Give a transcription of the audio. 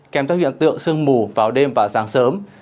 kèm theo hiện tượng sương mù vào đêm và sáng sớm